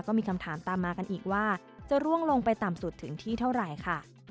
ก็มีคำถามตามมากันอีกว่าจะร่วงลงไปต่ำสุดถึงที่เท่าไหร่ค่ะ